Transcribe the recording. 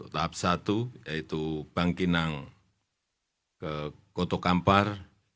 tahap satu yaitu bangkinang ke koto kampar